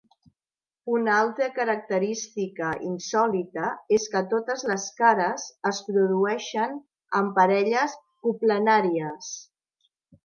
Una altra característica insòlita és que totes les cares es produeixen en parelles coplanàries.